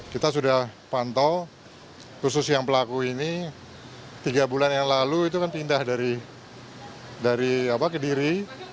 kita sudah pantau khusus yang pelaku ini tiga bulan yang lalu itu kan pindah dari dari apa ke diri